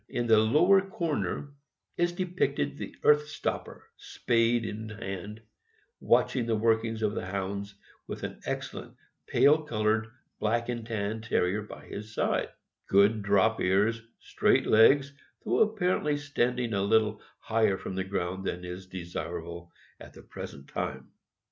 In the lower corner is depicted the earth stopper, spade in hand, watching the workings of the Hounds, with an excel lent pale colored Black and Tan Terrier by his side ; good drop ears, straight legs — though apparently standing a little higher from the ground than is desirable at the pres ent time.